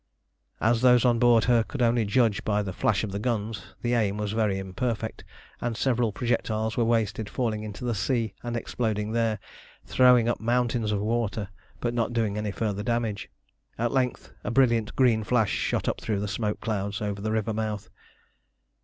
As those on board her could only judge by the flash of the guns, the aim was very imperfect, and several projectiles were wasted, falling into the sea and exploding there, throwing up mountains of water, but not doing any further damage. At length a brilliant green flash shot up through the smoke clouds over the river mouth.